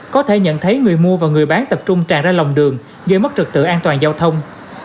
có thể nhận thấy người mua và người bán tập trung tràn ra lòng đường gây mất trực tự an toàn giao thông